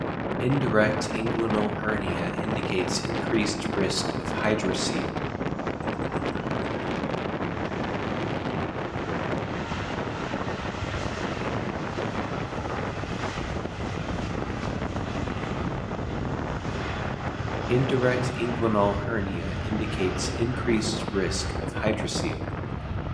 Indirect inguinal hernia indicates increased risk of hydrocele.